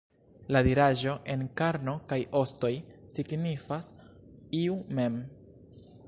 La diraĵo "en karno kaj ostoj" signifas "iu mem".